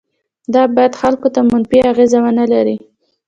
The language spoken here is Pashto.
دا باید خلکو ته منفي اغیز ونه لري.